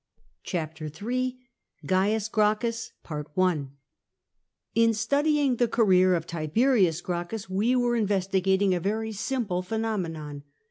OHAPTEE III CAIUS GRACCHFS Lsr studying the career of JTiberiiis Gracc hus^ we were investigating a very simple phenomenon.